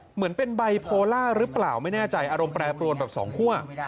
เหมือนเป็นไบโพล่าหรือเปล่าไม่แน่ใจอารมณ์แปรปรวนแบบสองคั่ว